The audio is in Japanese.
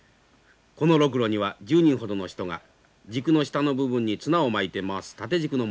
このロクロには１０人ほどの人が軸の下の部分に綱を巻いて回す縦軸のものです。